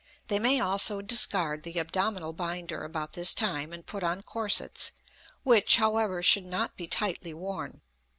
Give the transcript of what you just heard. They may also discard the abdominal binder about this time and put on corsets, which, however, should not be tightly worn.